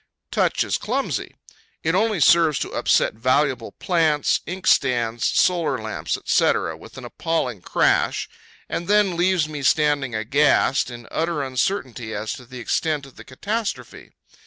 Touch is clumsy. It only serves to upset valuable plants, inkstands, solar lamps, &c., with an appalling crash, and then leaves me standing aghast, in utter uncertainty as to the extent of the catastrophe.